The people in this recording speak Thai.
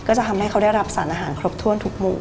จะทำให้เขาได้รับสารอาหารครบถ้วนทุกมุม